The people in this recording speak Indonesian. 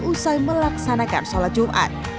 usai melaksanakan sholat jumat